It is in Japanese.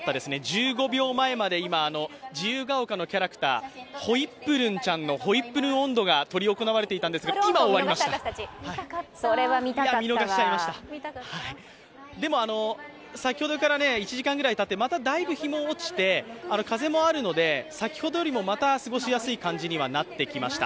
１５秒前まで今、自由が丘のキャラクターほいっぷるんちゃんの「ほいっぷるん音頭」が行われていたんですが今、終わりました、でも、先ほどから１時間くらいたってまただいぶ日も落ちて風もあるので先ほどよりも、また過ごしやすい感じにはなってきました。